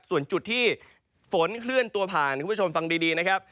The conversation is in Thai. ส่วนจุดที่ฝนเคลื่อนตัวผ่านคุณผู้ชมฟังดีนะครับ